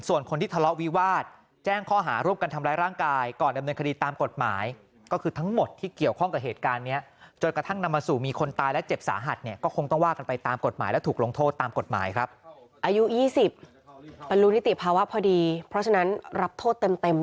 ส่วนคนที่ทะเลาะวิวาส